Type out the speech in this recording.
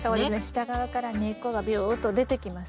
下側から根っこがビューッと出てきます。